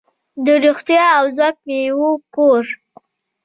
د روغتیا او ځواک میوو کور.